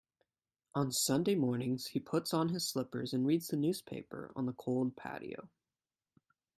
On Sunday mornings, he puts on his slippers and reads the newspaper on the cold patio.